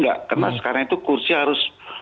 karena sekarang itu kursi harus